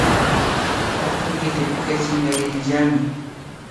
Hatun kitipika chinkarinillami